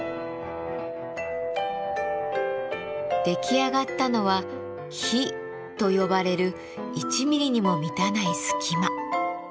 出来上がったのは樋と呼ばれる１ミリにも満たない隙間。